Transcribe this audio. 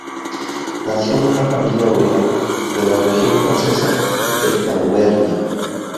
Nació en una familia obrera de la región francesa de Auvernia.